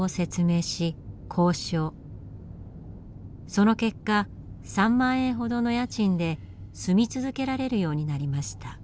その結果３万円ほどの家賃で住み続けられるようになりました。